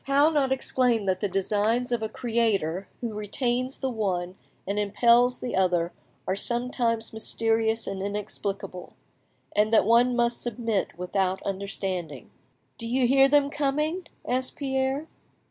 how not exclaim that the designs of a Creator who retains the one and impels the other are sometimes mysterious and inexplicable, and that one must submit without understanding? "Do you hear them coming?" asked Pierre.